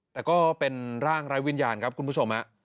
แต่ก็เป็นร่างไร้วิญญาณครับคุณผู้ชม